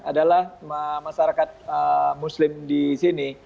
adalah masyarakat muslim di sini